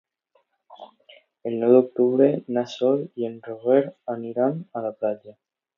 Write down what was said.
El nou d'octubre na Sol i en Roger aniran a la platja.